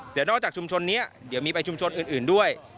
เดี๋ยวนอกจากชุมชนนี้เดี๋ยวมีไปชุมชนอื่นด้วย